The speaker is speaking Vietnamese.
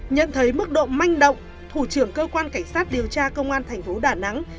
nhận thấy mức độ manh động thủ trưởng cơ quan cảnh sát điều tra công an thành phố đà nẵng